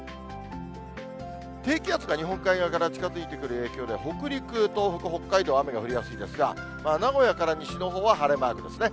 低気圧が日本海側から近づいて来る影響で、北陸、東北、北海道、雨が降りやすいですが、名古屋から西のほうは晴れマークですね。